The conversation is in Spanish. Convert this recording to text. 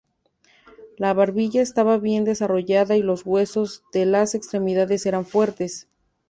La barbilla estaba bien desarrollada y los huesos de las extremidades eran fuertes.